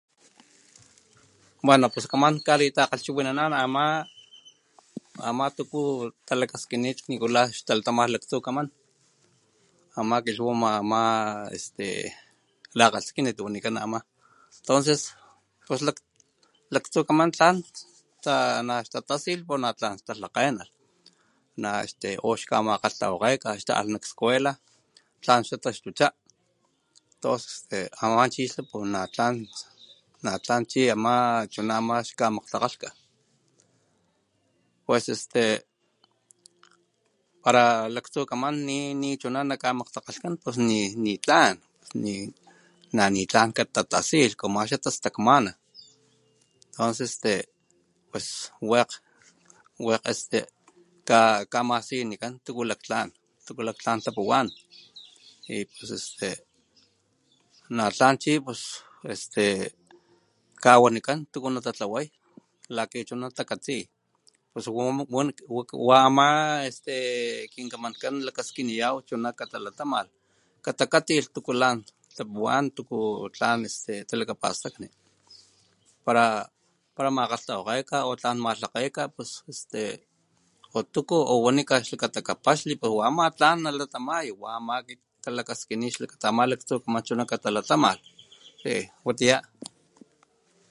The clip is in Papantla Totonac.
Bueno pues kaman kalitakgalhchiwinanan ama tuku talakaskinit xtalatamalh laktsukaman ama kilhwama ama este lakgaskinit wanikan ama tonces pues pos laktsukaman tlan nakatatasilh pus na tlan kata lhakgenalh na' este o xkamakgalhtawakgeka xta'alh nak scuela tlan xtataxtucha tos este ama chi xla pus na tlan na tlan nachunama xkamakgtakgalhka pues este pala laktsukaman nichunana' nakamakgtakgalhkan ni tlan ni na nitlan katatasilh como xla tastakmana tonces este pus wekg, wekg este ka kamasinikan tuku lak tlan tapuwan y pues este na tlan chi pues este kawanikan tuku natatlaway lakichuna takatsi pus wa wama este kin kamankan kaskiniyaw katalatamalh katakatsilh tuku lan tapuwan tuku tlan este talakapastakni pala makgalhtawakgeka o tlan malhakgewa pues este o tuku wanikancha xlakata kapaxli wa ama tlan nalatamay wa ama talakaskini xlakata ama laktsukaman katalatamalh y watiya.